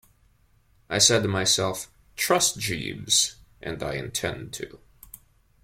I said to myself 'Trust Jeeves,' and I intend to.